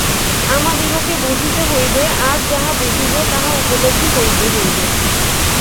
আমাদিগকে বুঝিতে হইবে, আর যাহা বুঝিব, তাহা উপলব্ধি করিতে হইবে।